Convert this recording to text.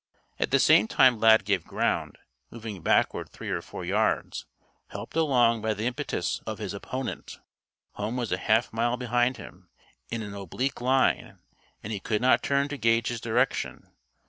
At the same time Lad gave ground, moving backward three or four yards, helped along by the impetus of his opponent. Home was a half mile behind him, in an oblique line, and he could not turn to gauge his direction.